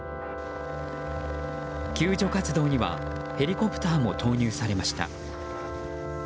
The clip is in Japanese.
救助活動にはヘリコプターも投入されました。